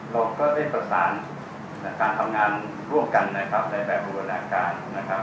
เราก็ได้ประสานการทำงานร่วมกันนะครับในแบบบูรณาการนะครับ